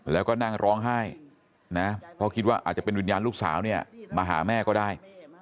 แล้วก็นั่งร้องไห้นะเพราะคิดว่าอาจจะเป็นวิญญาณลูกสาวเนี่ยมาหาแม่ก็ได้